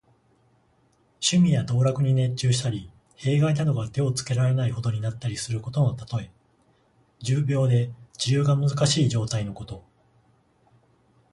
趣味や道楽に熱中したり、弊害などが手のつけられないほどになったりすることのたとえ。重病で治療が難しい状態のこと。